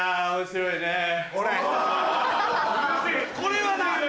これはな